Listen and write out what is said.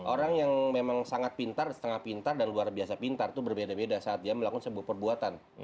orang yang memang sangat pintar setengah pintar dan luar biasa pintar itu berbeda beda saat dia melakukan sebuah perbuatan